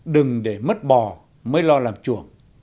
đừng để mất bò mới lo làm chuồng